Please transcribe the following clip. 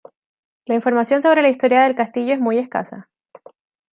La información sobre la historia del castillo es muy escasa.